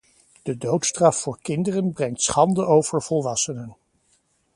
De doodstraf voor kinderen brengt schande over volwassenen.